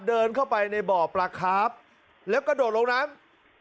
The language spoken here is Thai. เดินเข้าไปในบ่อปลาครับแล้วกระโดดลงน้ำ